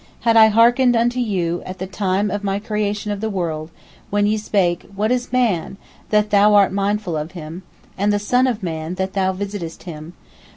Had I hearkened unto you at the time of the creation of the world, when ye spake, What is man, that Thou art mindful of him? And the son of man, that Thou visitest him?